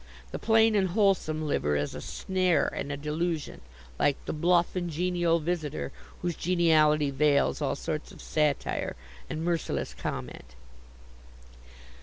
The "plain and wholesome" liver is a snare and a delusion, like the "bluff and genial" visitor whose geniality veils all sorts of satire and merciless comment.